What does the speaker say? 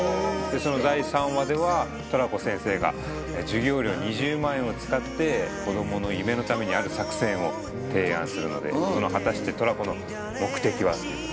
その第３話ではトラコ先生が授業料２０万円を使って子供の夢のためにある作戦を提案するので果たしてトラコの目的は？っていうことで。